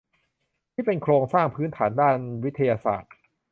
ที่เป็นโครงสร้างพื้นฐานด้านวิทยาศาสตร์